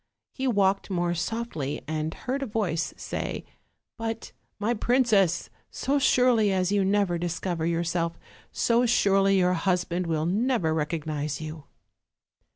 He walked more softly and heard a voice say: "But, my princess, so surely as you never discover yourself, so surely your hus band will never recognize you."